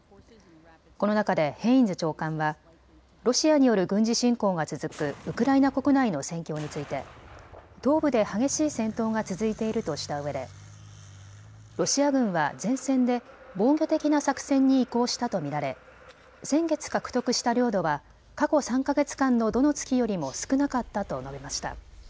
この中でヘインズ長官はロシアによる軍事侵攻が続くウクライナ国内の戦況について東部で激しい戦闘が続いているとしたうえでロシア軍は前線で防御的な作戦に移行したと見られ先月、獲得した領土は過去３か月間のどの月よりも少なかったと述べました。